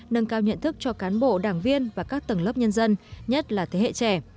nâng cao nhận thức cho cán bộ đảng viên và các tầng lớp nhân dân nhất là thế hệ trẻ